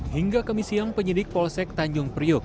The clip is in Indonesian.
hingga kemisian penyidik polsek tanjung priuk